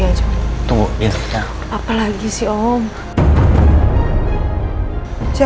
ya ini ambil kembaliannya